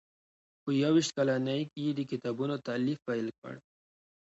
په یو ویشت کلنۍ کې یې د کتابونو تالیف پیل کړ.